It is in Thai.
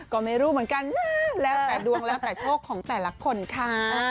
ก็ไม่รู้เหมือนกันนะแล้วแต่ดวงแล้วแต่โชคของแต่ละคนค่ะ